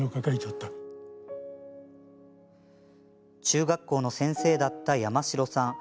中学校の先生だった山城さん。